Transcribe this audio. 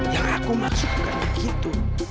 yang aku maksud bukan begitu